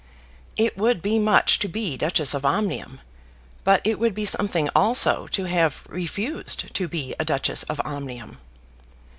It would be much to be Duchess of Omnium; but it would be something also to have refused to be a Duchess of Omnium.